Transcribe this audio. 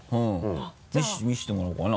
ぜひ見せてもらおうかな。